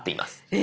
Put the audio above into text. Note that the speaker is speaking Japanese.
え！